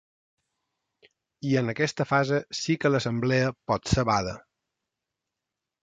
I en aquesta fase sí que l’assemblea potser bada.